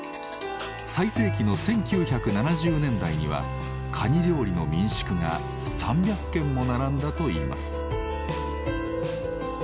最盛期の１９７０年代にはカニ料理の民宿が３００軒も並んだといいます。